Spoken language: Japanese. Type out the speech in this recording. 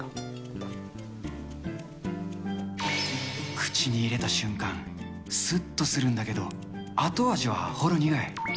口に入れた瞬間、すっとするんだけど、後味はほろ苦い。